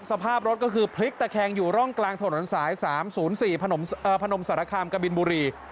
สภาพรถก็คือพลิกตะแคงอยู่ร่องกลางถนนสาย๓๐๔พนมสารคามกบินบุรี